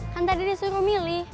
kan tadi disuruh milih